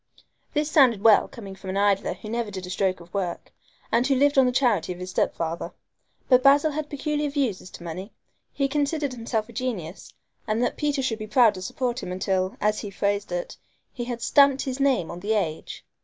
This sounded well coming from an idler who never did a stroke of work, and who lived on the charity of his step father. But Basil had peculiar views as to money. He considered himself a genius, and that Peter should be proud to support him until, as he phrased it, he had "stamped his name on the age"!